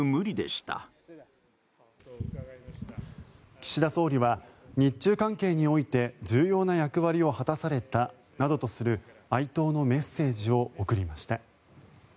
岸田総理は日中関係において重要な役割を果たされたなどとする哀悼のメッセージを送りました。